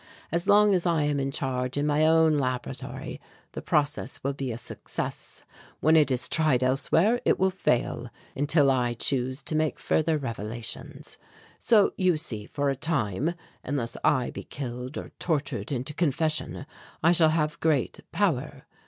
As long as I am in charge in my own laboratory the process will be a success; when it is tried elsewhere it will fail, until I choose to make further revelations. "So you see, for a time, unless I be killed or tortured into confession, I shall have great power.